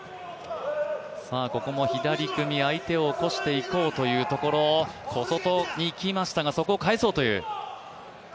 ここも左組み、相手を起こしていこうというところ、小外にいきましたが、そこを返そうという。